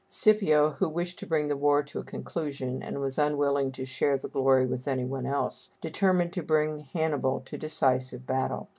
Scipio, who wished to bring the war to a conclusion, and was unwilling to share the glory with anyone else, determined to bring Hannibal to a decisive battle.